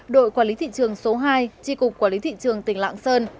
đội quản lý thị trường số hai tri cục quản lý thị trường tỉnh lạng sơn